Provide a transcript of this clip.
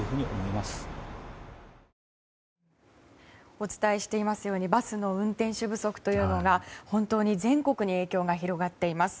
お伝えしていますようにバスの運転手不足というのが本当に全国に影響が広がっています。